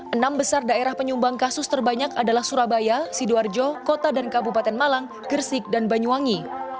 enam besar daerah penyumbang kasus terbanyak adalah surabaya sidoarjo kota dan kabupaten malang gersik dan banyuwangi